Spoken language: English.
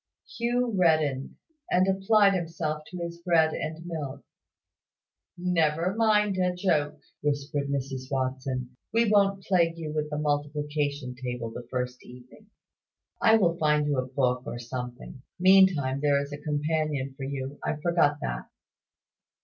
Hugh reddened, and applied himself to his bread and milk. "Never mind a joke," whispered Mrs Watson. "We won't plague you with the multiplication table the first evening. I will find you a book or something. Meantime, there is a companion for you I forgot that."